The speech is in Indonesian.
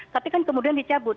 tapi kan kemudian dicabut